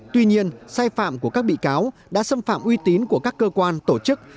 tuy nhiên sai phạm của các bị cáo đã xâm phạm uy tín của các cơ quan tổ chức